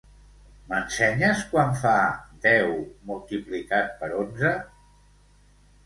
M'ensenyes quant fa deu multiplicat per onze?